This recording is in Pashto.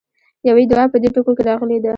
يوې دعا په دې ټکو کې راغلې ده.